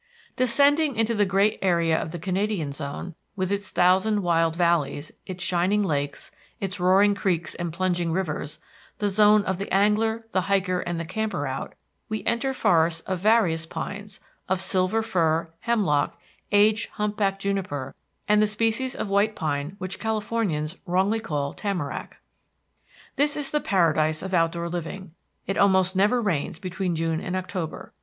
Descending into the great area of the Canadian zone, with its thousand wild valleys, its shining lakes, its roaring creeks and plunging rivers, the zone of the angler, the hiker, and the camper out, we enter forests of various pines, of silver fir, hemlock, aged hump backed juniper, and the species of white pine which Californians wrongly call tamarack. This is the paradise of outdoor living; it almost never rains between June and October.